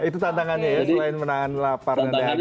itu tantangannya ya selain menahan lapar dan harga ya